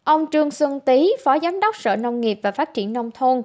ông trương xuân tý phó giám đốc sở nông nghiệp và phát triển nông thôn